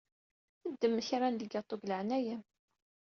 Ddem kra n lgaṭu deg leɛnaya-m.